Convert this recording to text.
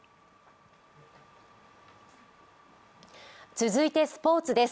続いてスポ−ツです。